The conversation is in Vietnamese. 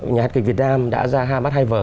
nhà hát kịch việt nam đã ra hai mắt hai vở